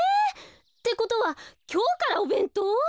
ってことはきょうからおべんとう？